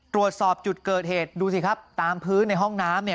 ตรวจสอบจุดเกิดเหตุดูสิครับตามพื้นในห้องน้ำ